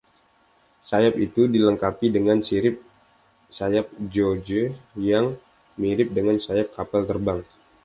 Sayap itu dilengkapi dengan sirip sayap Gouge yang mirip dengan sayap kapal terbang.